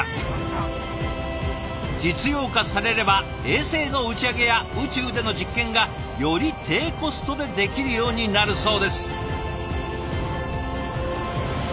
実用化されれば衛星の打ち上げや宇宙での実験がより低コストでできるようになるそうです。